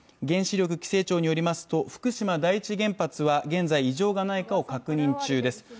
原子力規制庁によりますと、福島第１原発は、現在異常がないかを確認中です